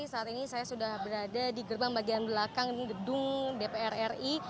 saat ini saya sudah berada di gerbang bagian belakang gedung dpr ri